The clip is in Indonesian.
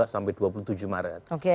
dua sampai dua puluh tujuh maret